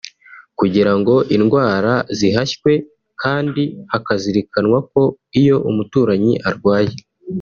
kugirango indwara zihashywe kandi hakazirikanwa ko iyo umuturanyi arwaye